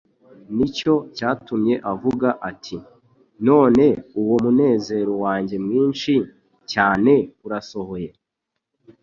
Nicyo cyatumye avuga ati; "None uwo munezero wanjye mwinshi cyane urasohoye,